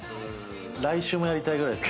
来週もやりたいぐらいです。